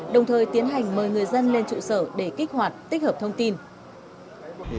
đồng thời tiến hành mời người dân lên trụ sở để kích hoạt tích hợp thông tin